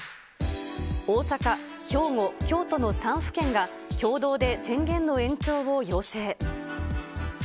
大阪、兵庫、京都の３府県が、共同で宣言の延長を要請。